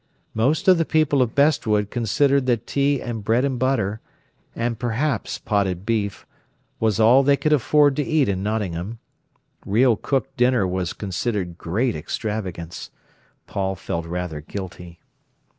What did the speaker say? Most of the people of Bestwood considered that tea and bread and butter, and perhaps potted beef, was all they could afford to eat in Nottingham. Real cooked dinner was considered great extravagance. Paul felt rather guilty.